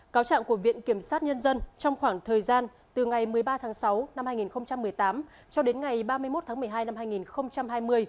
cáo trạng của viện kiểm sát nhân dân trong khoảng thời gian từ ngày một mươi ba tháng sáu năm hai nghìn một mươi tám cho đến ngày ba mươi một tháng một mươi hai năm hai nghìn hai mươi